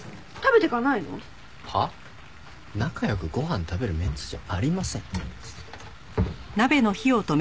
仲良くご飯食べるメンツじゃありません。